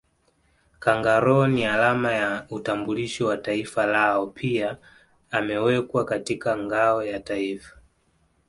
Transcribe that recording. Kangaroo ni alama ya utambulisho wa taifa lao pia amewekwa katika ngao ya Taifa